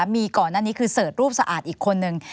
มีก่อนหน้านี้คือเสิร์ชรูปสะอาดอีกคนนึง